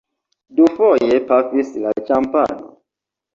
Dufoje pafis la ĉampano.